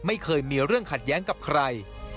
ไม่เคยมีเรื่องขัดแย้งกับใคร